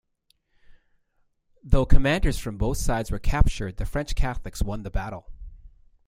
Though commanders from both sides were captured, the French Catholics won the battle.